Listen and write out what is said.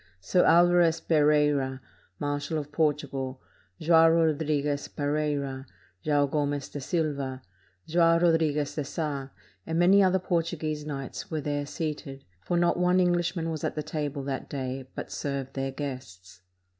Sir Alvarez Pereira, marshal of Portugal, Joao Rodriguez Pereira, Joao Gomez de Silva, Joao Rodriguez de Sa, and many other Portuguese knights, were there seated ; for not one Englishman was at the table that day, but served their guests.